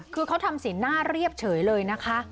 คือเขาทำสีหน้าเรียบเฉยเลยนะคะ